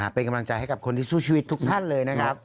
เป็นกำลังใจให้กับคนที่สู้ชีวิตทุกท่านเลยนะครับ